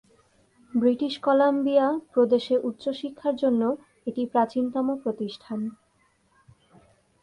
British Columbia প্রদেশে উচ্চশিক্ষার জন্য এটি প্রাচীনতম প্রতিষ্ঠান।